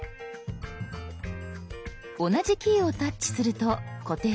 同じキーをタッチすると固定は解除。